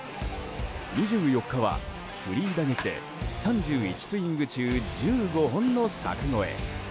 ２４日はフリー打撃で３１スイング中１５本の柵越え。